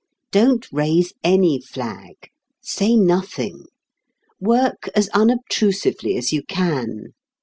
Don't raise any flag. Say nothing. Work as unobtrusively as you can.